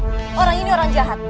oh orang ini orang jahat